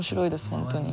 本当に。